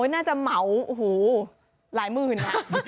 น่าจะเหมาโอ้โหหลายหมื่น